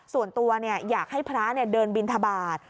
ส่วนตัวอยากให้พระเดินบินทบาท